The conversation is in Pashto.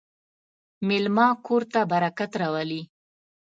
مېلمه کور ته برکت راولي.